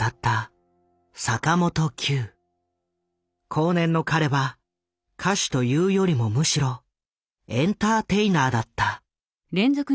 後年の彼は歌手というよりもむしろエンターテイナーだった。